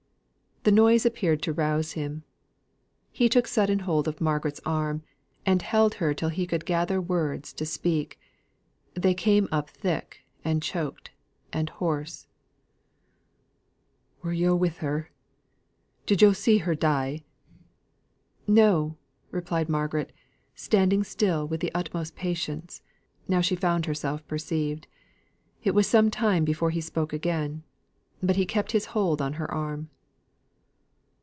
The noise appeared to rouse him. He took sudden hold of Margaret's arm, and held her till he could gather words to speak. His throat seemed dry; they came up thick, and choked, and hoarse: "Were yo' with her? Did yo' see her die?" "No!" replied Margaret, standing still with the utmost patience, now she found herself perceived. It was some time before he spoke again, but he kept his hold on her arm.